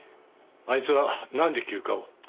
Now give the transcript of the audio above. あいつはなんで休暇を？